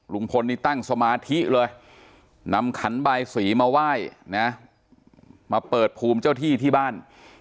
ลุงพลนี่ตั้งสมาธิเลยนำขันบายสีมาไหว้นะมาเปิดภูมิเจ้าที่ที่บ้าน